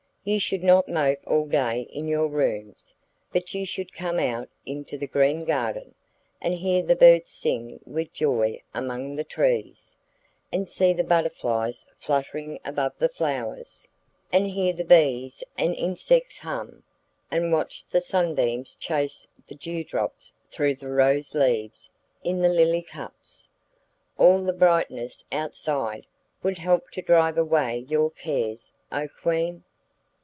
You should not mope all day in your rooms, but should come out into the green garden, and hear the birds sing with joy among the trees, and see the butterflies fluttering above the flowers, and hear the bees and insects hum, and watch the sunbeams chase the dew drops through the rose leaves and in the lily cups. All the brightness outside would help to drive away your cares, O Queen.